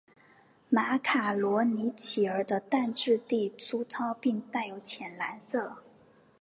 马卡罗尼企鹅的蛋质地粗糙并带有浅蓝色。